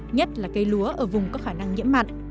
nhất là cây lúa ở vùng có khả năng nhiễm mặn